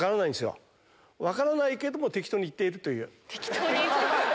分からないけども適当に言っているという。